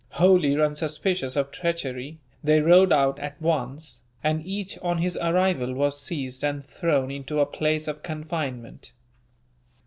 Wholly unsuspicious of treachery, they rode out at once; and each, on his arrival, was seized and thrown into a place of confinement.